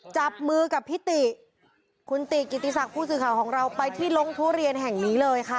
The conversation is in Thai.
จับมือกับพิติคุณติกิติศักดิ์ผู้สื่อข่าวของเราไปที่ลงทุเรียนแห่งนี้เลยค่ะ